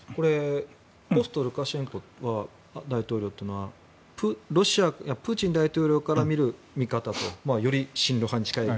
ポストルカシェンコ大統領というのはプーチン大統領から見る味方とより親ロ派に近い。